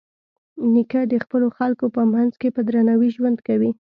نیکه د خپلو خلکو په منځ کې په درناوي ژوند کوي.